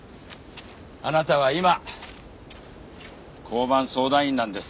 あなたは今交番相談員なんです。